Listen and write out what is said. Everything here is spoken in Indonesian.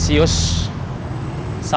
saya mau ke rumah